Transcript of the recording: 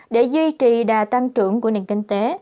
để duy trì đà tăng trưởng của nền kinh tế